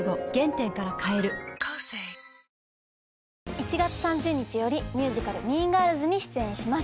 １月３０日よりミュージカル『ＭＥＡＮＧＩＲＬＳ』に出演します。